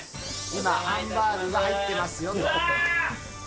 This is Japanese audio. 今、ハンバーグが入ってます